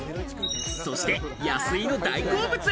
そして安井の大好物。